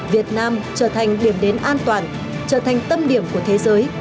việt nam trở thành điểm đến an toàn trở thành tâm điểm của thế giới